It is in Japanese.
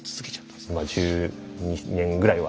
まあ１２年ぐらいは。